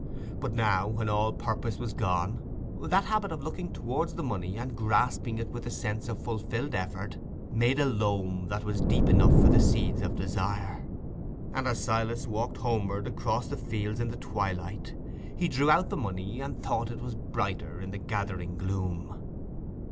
But now, when all purpose was gone, that habit of looking towards the money and grasping it with a sense of fulfilled effort made a loam that was deep enough for the seeds of desire; and as Silas walked homeward across the fields in the twilight, he drew out the money and thought it was brighter in the gathering gloom.